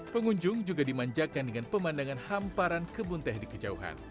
pengunjung juga dimanjakan dengan pemandangan hamparan kebun teh di kejauhan